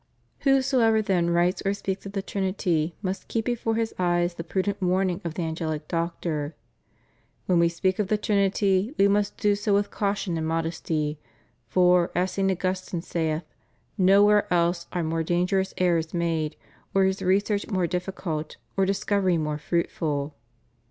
Who soever then writes or speaks of the Trinity must keep before His eyes the prudent warning of the Angelic Doctor: "When we speak of the Trinity, we must do so with cau tion and modesty, for, as St. Augustine saith, nowhere else are more dangerous errors made, or is research more difficult, or discovery more fruitful".